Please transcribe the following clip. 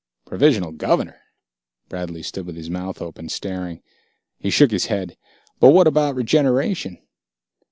"Provisional Governor?" Bradley stood with his mouth open, staring. He shook his head. "But what about regeneration...?"